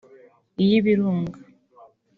iy’Ibirunga